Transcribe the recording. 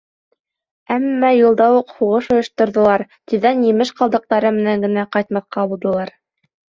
Әммә юлда уҡ һуғыш ойошторҙолар, тиҙҙән емеш ҡалдыҡтары менән генә ҡайтмаҫҡа булдылар.